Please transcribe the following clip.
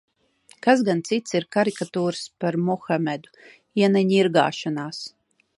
Kas gan cits ir karikatūras par Muhamedu, ja ne ņirgāšanās?